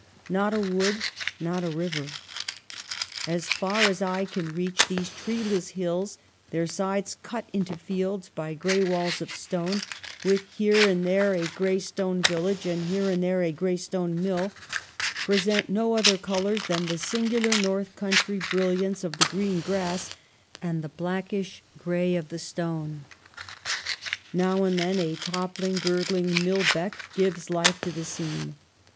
Not a wood, not a river. As far as eye can reach these treeless hills, their sides cut into fields by gray walls of stone, with here and there a gray stone village, and here and there a gray stone mill, present no other colors than the singular north country brilliance of the green grass, and the blackish gray of the stone. Now and then a toppling, gurgling mill beck gives life to the scene.